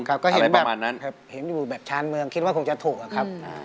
ก็เห็นอยู่แบบช้านเมืองคิดว่าคงจะถูกอะครับ